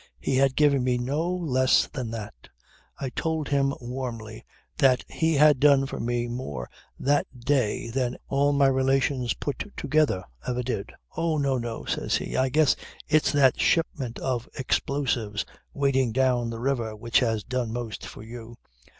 He had given me no less than that. I told him warmly that he had done for me more that day than all my relations put together ever did. "Oh, no, no," says he. "I guess it's that shipment of explosives waiting down the river which has done most for you.